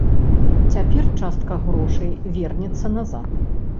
Цяпер частка грошай вернецца назад.